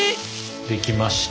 できました。